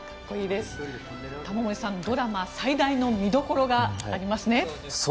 玉森さん、ドラマ最大の見どころがありますね。